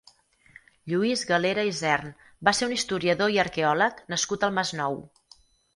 Lluís Galera Isern va ser un historiador i arqueòleg nascut al Masnou.